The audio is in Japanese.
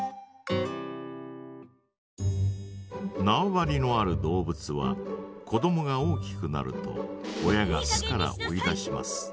なわ張りのある動物は子どもが大きくなると親が巣から追い出します。